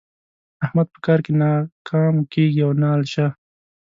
احمد په کار کې نه ګام کېږي او نه الشه.